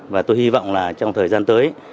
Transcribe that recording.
và tôi hy vọng là trong thời gian tới